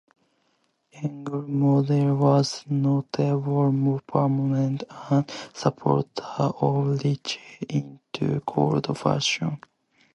Eugene Mallove was a notable proponent and supporter of research into cold fusion.